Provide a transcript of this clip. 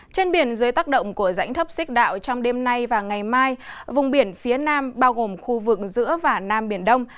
trên biển dưới tác động của rãnh thấp xích đạo trong đêm nay và ngày mai vùng biển phía nam bao gồm khu vực giữa và nam biển đông